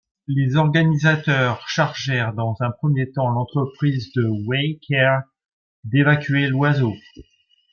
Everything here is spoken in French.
Les organisateurs chargèrent dans un premier temps l'entreprise de Ware Care d'évacuer l'oiseau.